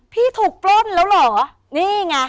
พี่ถูกปล้นแล้วเหรอนี่ไง